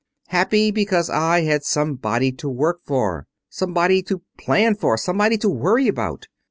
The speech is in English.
"Happy because I had somebody to work for, somebody to plan for, somebody to worry about.